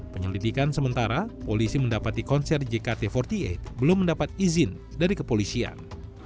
penyelidikan sementara polisi mendapati konser jkt empat puluh delapan belum mendapat izin dari kepolisian